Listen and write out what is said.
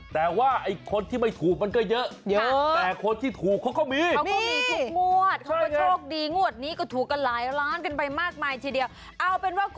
แต่ว่าไอ้คนที่ไม่ถูกมันก็เยอะ